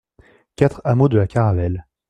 quatre hameau de la Caravelle